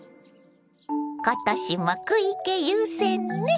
今年も食い気優先ね。